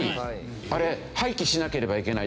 あれ廃棄しなければいけない。